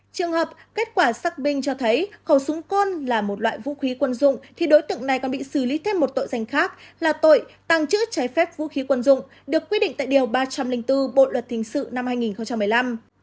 trường hợp kết quả xác minh cho thấy khẩu súng con là một loại vũ khí quân dụng thì đối tượng này còn bị xử lý thêm một tội danh khác là tội tăng trữ cháy phép vũ khí quân dụng được quy định tại điều ba trăm linh bốn bộ luật thình sự năm hai nghìn một mươi năm